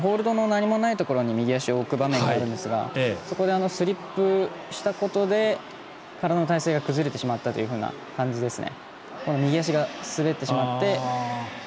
右足が壁にホールドの何もないところに足を置く場面があるんですがそこでスリップしたことで体の体勢が崩れてしまったという感じですね。